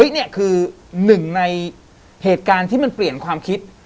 นี่คือหนึ่งในเหตุการณ์ที่มันเปลี่ยนความคิด